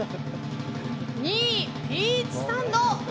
２位、ピーチサンド。